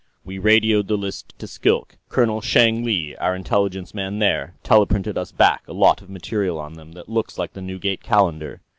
"We radioed the list to Skilk; Colonel Cheng Li, our intelligence man there, teleprinted us back a lot of material on them that looks like the Newgate Calendar.